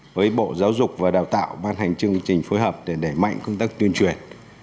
với bộ giáo dục và đào tạo ban hành chương trình phối hợp để đẩy mạnh công tác tuyên truyền